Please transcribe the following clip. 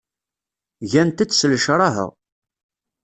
Gant-t s lecraha.